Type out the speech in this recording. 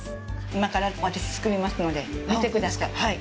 今から、私、作りますので、見てください。